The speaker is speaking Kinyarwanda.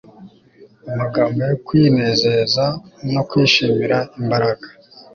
Amagambo yo kwinezeza no kwishimira imbaraga